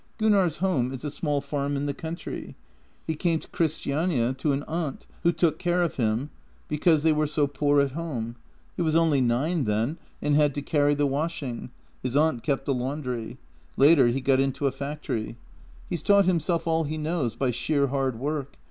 " Gunnar's home is a small farm in the country. He came to Christiania, to an aunt, who took care of him, because they were so poor at home. He was only nine then, and had to carry the washing; his aunt kept a laundry. Later he got into a factory. He's taught himself all he knows by sheer hard work.